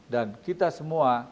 dan kita semua